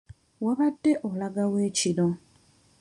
Wabadde olaga wa ekiro?